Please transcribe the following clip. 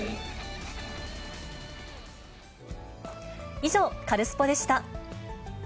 以上、カルスポっ！でした。